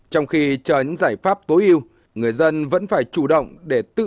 trong khi chờ những giải pháp tối ưu người dân vẫn phải chủ động để tự